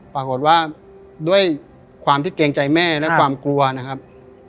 ปรากฏว่าด้วยความที่เกรงใจแม่และความกลัวนะครับ